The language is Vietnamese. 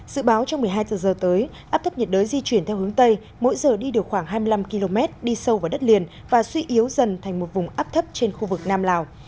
dự báo trong một mươi hai giờ tới áp thấp nhiệt đới di chuyển theo hướng tây mỗi giờ đi được khoảng hai mươi năm km đi sâu vào đất liền và suy yếu dần thành một vùng áp thấp trên khu vực nam lào